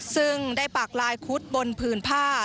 ซึ่งได้ปากลายคุดบนผืนผ้า